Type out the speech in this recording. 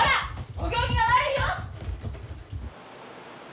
お行儀が悪いよ！